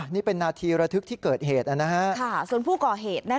นี่เป็นนาธิระทึกที่เกิดเหตุอ่ะนะฮะค่ะส่วนผู้ก่อเหตุนะคะ